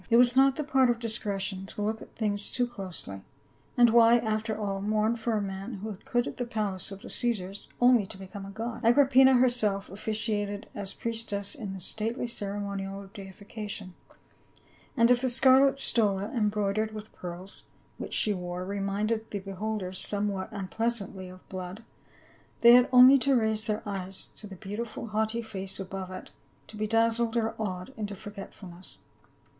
It was not the part of discretion to look at things too closely, and why, after all, mourn for a man who had quitted the palace of the Caesars only to become a god ? Agrippina herself officiated as priestess in the stately ceremonial of deification ; and if the scarlet stola em broidered with pearls, which she wore, reminded the beholders somewhat unpleasantly of blood, they had only to raise their e}'es to the beautiful haughty face above it to be dazzled or awed into forgetfulness.